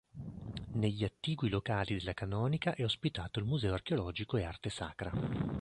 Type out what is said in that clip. Negli attigui locali della canonica è ospitato il museo archeologico e arte sacra.